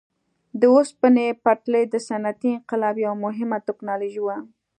د اوسپنې پټلۍ د صنعتي انقلاب یوه مهمه ټکنالوژي وه.